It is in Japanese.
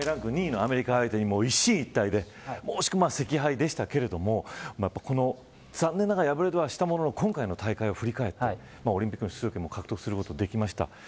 昨日、世界ランク２位のアメリカ相手に一進一退で惜敗でしたが残念ながら敗れはしたものの今大会を振り返ってオリンピック出場権も獲得できました。